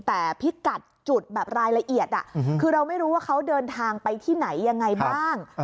แต่พิกัดจุดแบบรายละเอียดคือเราไม่รู้ว่าเขาเดินทางไปที่ไหนยังไงบ้าง